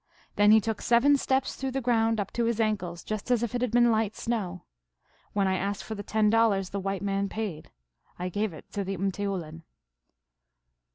Then he took seven steps through the ground up to his ankles, just as if it had been light snow. When I asked for the ten dollars, the white men paid. I gave it to the m teoulin."